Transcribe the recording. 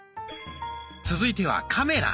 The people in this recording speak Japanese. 続いてはカメラ。